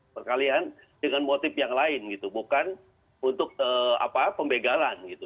perkalian dengan motif yang lain gitu bukan untuk pembegalan gitu